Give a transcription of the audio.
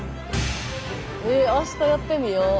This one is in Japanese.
へえ明日やってみよう！